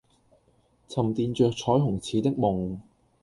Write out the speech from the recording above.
沉澱著彩虹似的夢